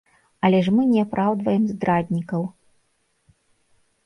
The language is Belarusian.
Але ж мы не апраўдваем здраднікаў.